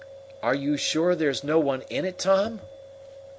"Are you sure there's no one in it, Tom?"